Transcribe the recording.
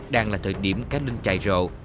đang là thời điểm cá linh chạy rộ